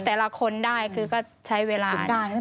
แต่ละคนได้คือก็ใช้เวลา